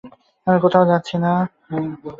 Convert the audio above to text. আমি কোথাও যাচ্ছি না।